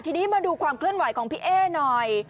ทีนี้มาดูความเคลื่อนไหวของพี่เอ๊หน่อย